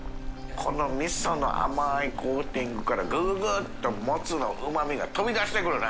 海量Ａ垢甘いコーティングから哀哀哀辰もつのうま味が飛び出してくるね。